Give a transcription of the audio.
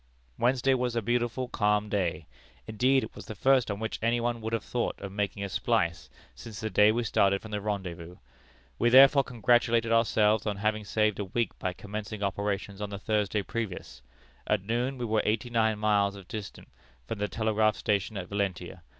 "Wednesday was a beautiful, calm day; indeed, it was the first on which any one would have thought of making a splice since the day we started from the rendezvous. We therefore congratulated ourselves on having saved a week by commencing operations on the Thursday previous. At noon, we were eighty nine miles distant from the telegraph station at Valentia.